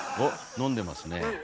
飲んでますね。